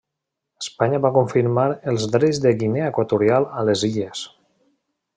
Espanya va confirmar els drets de Guinea Equatorial a les illes.